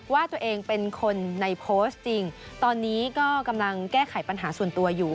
ว่าตัวเองเป็นคนในโพสต์จริงตอนนี้ก็กำลังแก้ไขปัญหาส่วนตัวอยู่